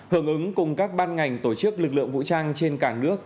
hưởng ứng cùng các ban ngành tổ chức lực lượng vũ trang trên cả nước